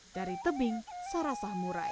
dari tebing sarasah murai